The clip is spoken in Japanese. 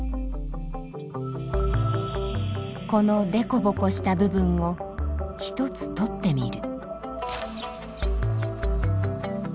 このでこぼこした部分を１つ取ってみる。